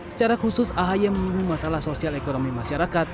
secara khusus ahy menyingung masalah sosial ekonomi masyarakat